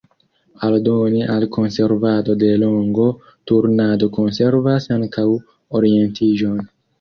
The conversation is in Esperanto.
Aldone al konservado de longo, turnado konservas ankaŭ orientiĝon.